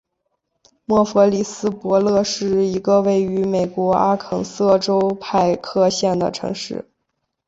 默弗里斯伯勒是一个位于美国阿肯色州派克县的城市。